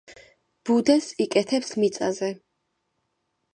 ბუდეს იკეთებს მიწაზე.